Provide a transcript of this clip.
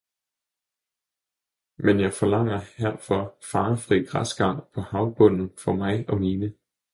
men jeg forlanger herfor farefri græsgang på havbunden for mig og mine.